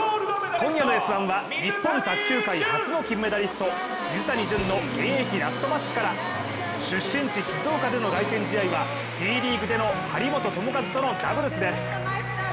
今夜の「Ｓ☆１」は日本卓球界初の金メダリスト、水谷隼の現役ラストマッチから出身地・静岡での凱旋試合はＴリーグでの張本智和のダブルスです。